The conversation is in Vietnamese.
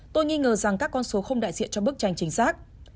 tôi nghi ngờ rằng các con số không đại diện cho bức tranh chính xác